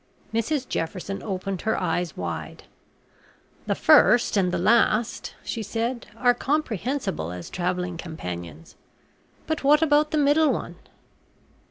Mrs Jefferson opened her eyes wide. "The first and the last," she said, "are comprehensible as travelling companions, but what about the middle one?"